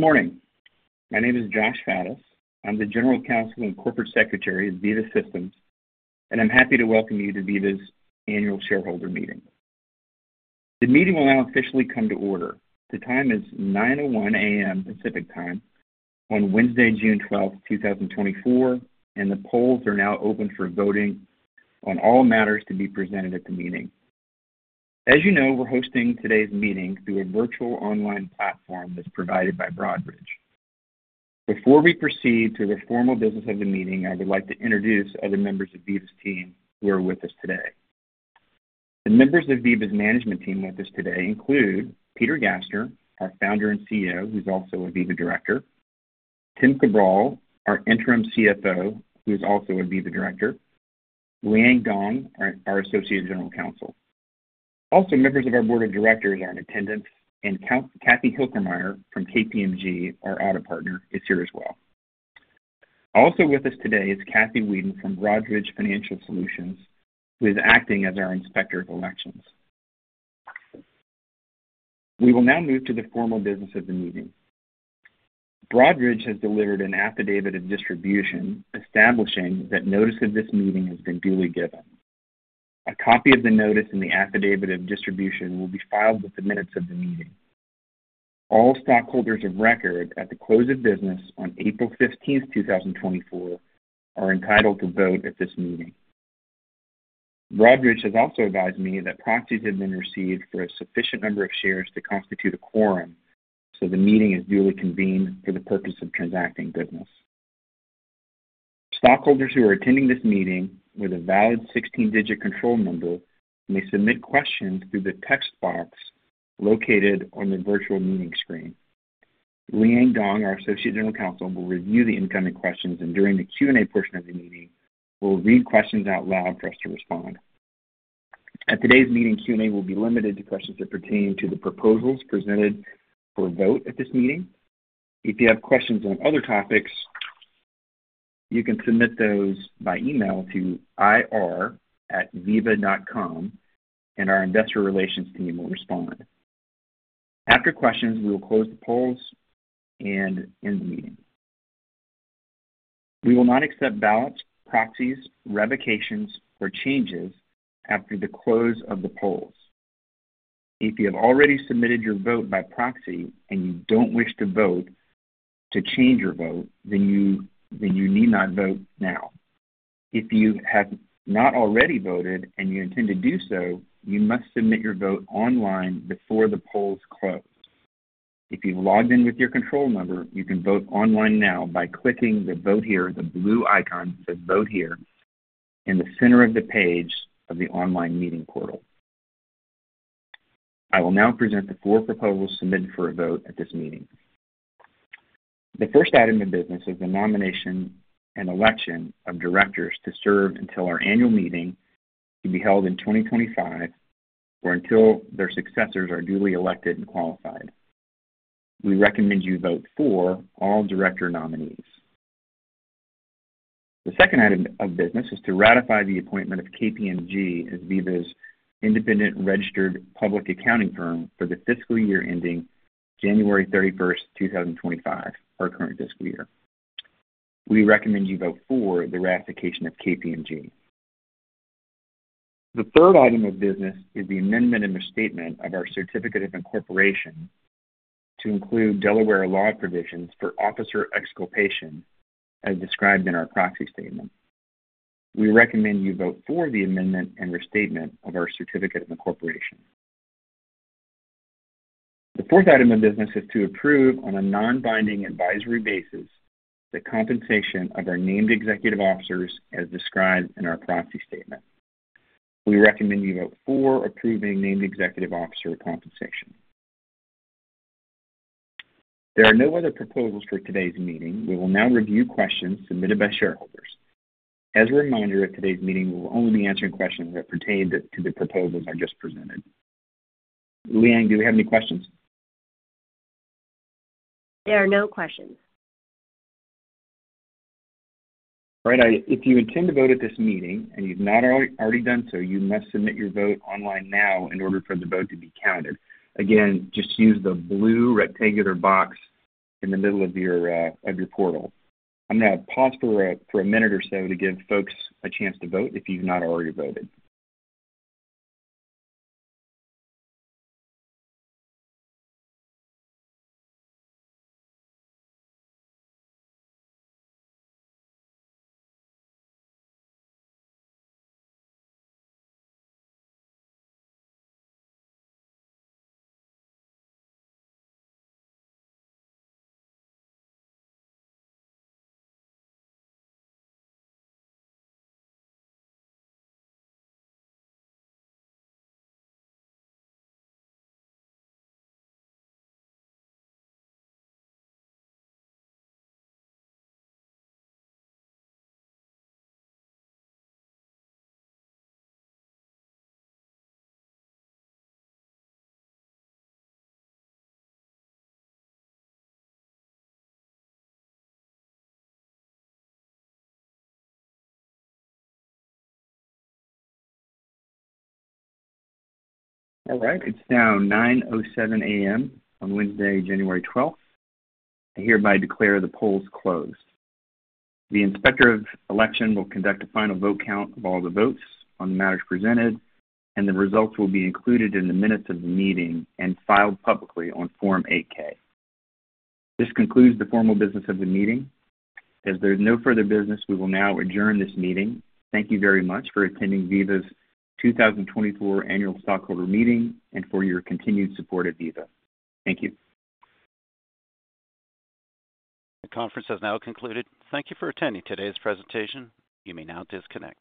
Good morning. My name is Josh Faddis. I'm the General Counsel and Corporate Secretary at Veeva Systems, and I'm happy to welcome you to Veeva's Annual Shareholder Meeting. The meeting will now officially come to order. The time is 9:01 A.M. Pacific Time on Wednesday, June 12th, 2024, and the polls are now open for voting on all matters to be presented at the meeting. As you know, we're hosting today's meeting through a virtual online platform that's provided by Broadridge. Before we proceed to the formal business of the meeting, I would like to introduce other members of Veeva's team who are with us today. The members of Veeva's management team with us today include Peter Gassner, our founder and CEO, who's also a Veeva director; Tim Cabral, our Interim CFO, who is also a Veeva director; Liang Dong, our Associate General Counsel. Also, members of our board of directors are in attendance, and Katie Hilkemeyer from KPMG, our Audit Partner, is here as well. Also with us today is Kathy Wheaton from Broadridge Financial Solutions, who is acting as our inspector of elections. We will now move to the formal business of the meeting. Broadridge has delivered an affidavit of distribution establishing that notice of this meeting has been duly given. A copy of the notice and the affidavit of distribution will be filed with the minutes of the meeting. All stockholders of record at the close of business on April 15th, 2024, are entitled to vote at this meeting. Broadridge has also advised me that proxies have been received for a sufficient number of shares to constitute a quorum, so the meeting is duly convened for the purpose of transacting business. Stockholders who are attending this meeting with a valid 16-digit control number may submit questions through the text box located on the virtual meeting screen. Liang Dong, our Associate General Counsel, will review the incoming questions, and during the Q&A portion of the meeting, will read questions out loud for us to respond. At today's meeting, Q&A will be limited to questions that pertain to the proposals presented for vote at this meeting. If you have questions on other topics, you can submit those by email to ir@veeva.com, and our investor relations team will respond. After questions, we will close the polls and end the meeting. We will not accept ballots, proxies, revocations, or changes after the close of the polls. If you have already submitted your vote by proxy and you don't wish to vote to change your vote, then you need not vote now. If you have not already voted and you intend to do so, you must submit your vote online before the polls close. If you've logged in with your control number, you can vote online now by clicking the vote here, the blue icon that says vote here in the center of the page of the online meeting portal. I will now present the four proposals submitted for a vote at this meeting. The first item of business is the nomination and election of directors to serve until our annual meeting can be held in 2025 or until their successors are duly elected and qualified. We recommend you vote for all director nominees. The second item of business is to ratify the appointment of KPMG as Veeva's independent registered public accounting firm for the fiscal year ending January 31st, 2025, our current fiscal year. We recommend you vote for the ratification of KPMG. The third item of business is the amendment and restatement of our certificate of incorporation to include Delaware law provisions for officer exculpation as described in our proxy statement. We recommend you vote for the amendment and restatement of our certificate of incorporation. The fourth item of business is to approve on a non-binding advisory basis the compensation of our named executive officers as described in our proxy statement. We recommend you vote for approving named executive officer compensation. There are no other proposals for today's meeting. We will now review questions submitted by shareholders. As a reminder, at today's meeting, we will only be answering questions that pertain to the proposals I just presented. Liang, do we have any questions? There are no questions. All right. If you intend to vote at this meeting and you've not already done so, you must submit your vote online now in order for the vote to be counted. Again, just use the blue rectangular box in the middle of your portal. I'm going to pause for a minute or so to give folks a chance to vote if you've not already voted. All right. It's now 9:07 A.M. on Wednesday, January 12th. I hereby declare the polls closed. The inspector of election will conduct a final vote count of all the votes on the matters presented, and the results will be included in the minutes of the meeting and filed publicly on Form 8-K. This concludes the formal business of the meeting. As there is no further business, we will now adjourn this meeting. Thank you very much for attending Veeva's 2024 annual stockholder meeting and for your continued support of Veeva. Thank you. The conference has now concluded. Thank you for attending today's presentation. You may now disconnect.